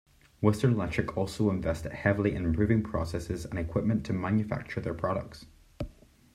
Western Electric also invested heavily in improving processes and equipment to manufacture their products.